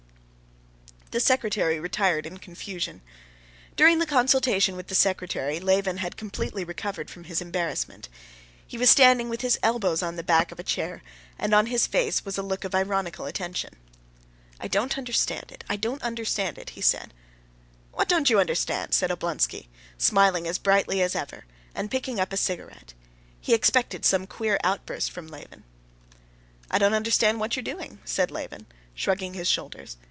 The secretary retired in confusion. During the consultation with the secretary Levin had completely recovered from his embarrassment. He was standing with his elbows on the back of a chair, and on his face was a look of ironical attention. "I don't understand it, I don't understand it," he said. "What don't you understand?" said Oblonsky, smiling as brightly as ever, and picking up a cigarette. He expected some queer outburst from Levin. "I don't understand what you are doing," said Levin, shrugging his shoulders.